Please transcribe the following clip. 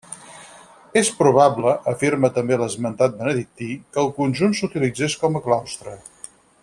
És probable -afirma també l'esmentat benedictí- que el conjunt s'utilitzés com a claustre.